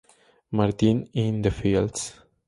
Martin in the Fields.